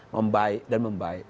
membaik dan membaik